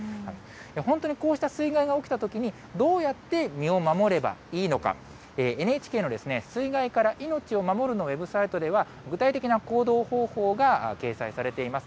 本当にこうした水害が起きたときに、どうやって身を守ればいいのか、ＮＨＫの水害から命を守るのウェブサイトでは、具体的な行動方法が掲載されています。